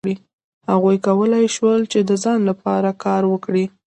هغوی کولای شول چې د ځان لپاره کار وکړي.